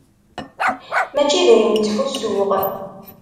Mačči d ayen ttḥussuɣ.